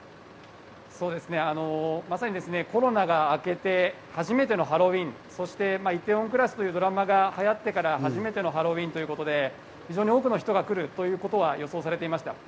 まさにコロナがあけて初めてのハロウィーン、そして『梨泰院クラス』というドラマが流行ってから初めてのハロウィーンということで、非常に多くの人が来るということは予想されていました。